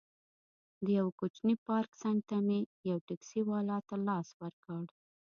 د یوه کوچني پارک څنګ ته مې یو ټکسي والا ته لاس ورکړ.